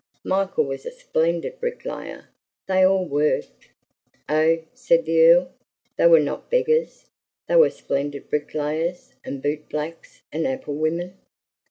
"Michael was a splendid bricklayer! They all worked." "Oh!" said the Earl, "they were not beggars. They were splendid bricklayers, and bootblacks, and apple women."